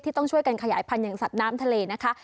ต้องช่วยกันขยายพันธุ์อย่างสัตว์น้ำทะเลนะคะ